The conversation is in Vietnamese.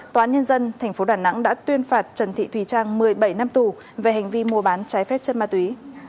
tòa án nhân dân tp đà nẵng đã tuyên phạt trần thị thùy trang một mươi bảy năm tù về hành vi mua bán trái phép chất ma túy